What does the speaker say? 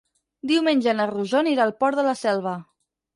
Diumenge na Rosó anirà al Port de la Selva.